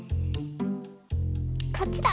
こっちだ！